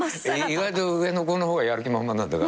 意外と上の子の方がやる気満々なんだ。